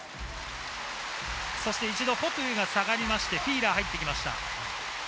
一度、フォトゥが下がりまして、フィーラーが入ってきました。